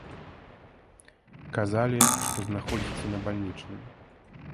Казалі, што знаходзіцца на бальнічным.